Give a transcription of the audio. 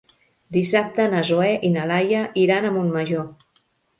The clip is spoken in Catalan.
Dissabte na Zoè i na Laia iran a Montmajor.